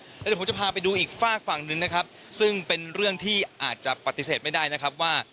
เดี๋ยวผมจะพาไปดูอีกฝากฝั่งหนึ่งนะครับซึ่งเป็นเรื่องที่อาจจะปฏิเสธไม่ได้นะครับว่า